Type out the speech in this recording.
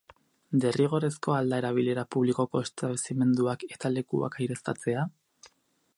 Derrigorrezkoa al da erabilera publikoko establezimenduak eta lekuak aireztatzea?